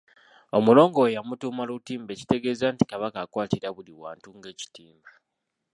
Omulongo we yamutuuma Lutimba eritegeeza nti Kabaka akwatira buli wantu ng'ekitimba.